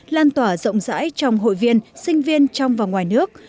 lan tỏa rộng rãi trong hội viên sinh viên trong và ngoài nước